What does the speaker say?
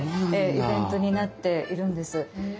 イベントになっているんです。